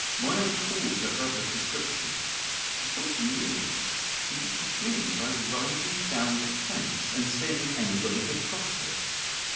Moya recalled her brother's description, and thought she knew. He would begin by riding down the fence, and seeing if anybody had crossed it.